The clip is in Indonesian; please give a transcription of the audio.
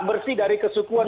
bersih dari kesukuan